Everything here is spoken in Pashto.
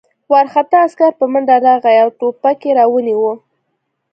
وارخطا عسکر په منډه راغی او ټوپک یې را ونیاوه